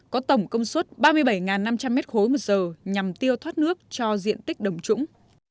có tổng công suất ba mươi bảy năm trăm linh m ba một giờ nhằm tiêu thoát nước cho diện tích đồng trũng